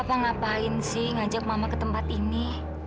apa ngapain sih ngajak mama ke tempat ini